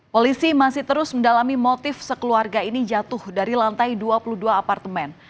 polisi masih terus mendalami motif sekeluarga ini jatuh dari lantai dua puluh dua apartemen